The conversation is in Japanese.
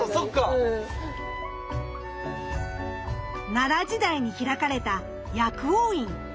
奈良時代に開かれた薬王院。